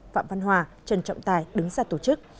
phạm văn hòa trần trọng tài đứng ra tổ chức